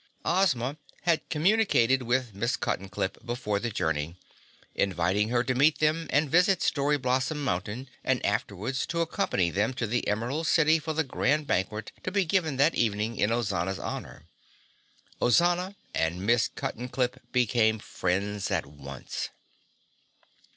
Ozma had communicated with Miss Cuttenclip before the journey, inviting her to meet them and visit Story Blossom Mountain and afterwards to accompany them to the Emerald City for the Grand Banquet to be given that evening in Ozana's honor. Ozana and Miss Cuttenclip became friends at once.